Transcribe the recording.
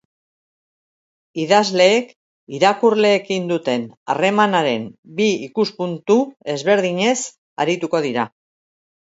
Idazleek irakurleekin duten harremanaren bi ikuspuntu ezberdinez arituko dira.